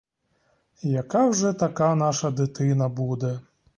Яка вже така наша дитина буде?